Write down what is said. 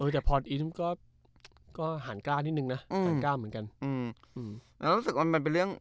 แต่พออินทร์ก็ห่างกล้านิดนึงนะห่างกล้ามเหมือนกัน